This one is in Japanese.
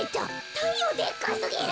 たいようでっかすぎる。